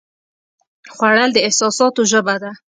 خوړل د احساساتو ژبه ده